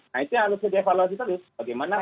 nah itu harus di evaluasi terus bagaimana